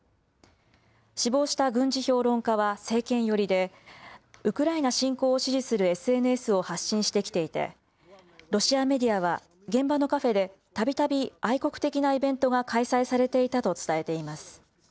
死亡した軍事評論家は政権寄りで、ウクライナ侵攻を支持するＳＮＳを発信してきていて、ロシアメディアは現場のカフェで、たびたび愛国的なイベントが開催されていたと伝えています。